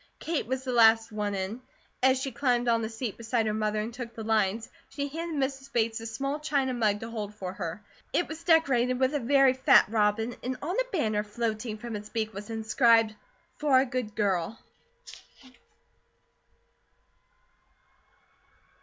Kate was the last one in. As she climbed on the seat beside her mother and took the lines, she handed Mrs. Bates a small china mug to hold for her. It was decorated with a very fat robin and on a banner floating from its beak was inscribed: "For a Good Girl."